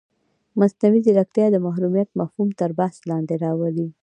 مصنوعي ځیرکتیا د محرمیت مفهوم تر بحث لاندې راولي.